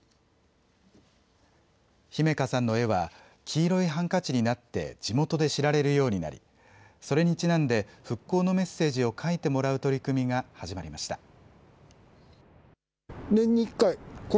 姫花さんの絵は黄色いハンカチになって地元で知られるようになりそれにちなんで復興のメッセージを書いてもらう取り組みが始まりました。